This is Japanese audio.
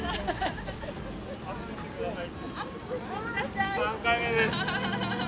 握手してください！